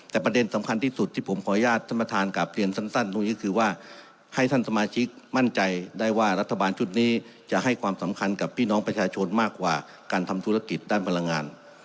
แต่ประเด็นสำคัญที่สุดที่ผมขออนุญาตท่านประธานกลับเรียนสั้นตรงนี้ก็คือว่าให้ท่านสมาชิกมั่นใจได้ว่ารัฐบาลชุดนี้จะให้ความสำคัญกับพี่น้องประชาชนมากกว่าการทำธุรกิจด้านพลังงาน